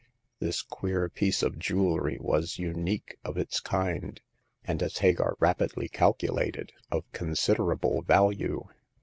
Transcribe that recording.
This queer piece of jewelry was unique of its kind, and, as Hagar rapidly calculated, of con siderable value.